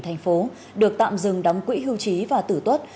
thành phố được tạm dừng đóng quỹ hưu trí và tử tuất